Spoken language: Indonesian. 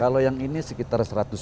kalau yang ini sekitar seratus ton